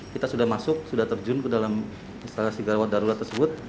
kita sudah masuk sudah terjun ke dalam instalasi gawat darurat tersebut